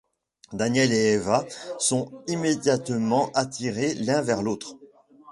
Daniel et Eva sont immédiatement attirés l'un vers l'autre.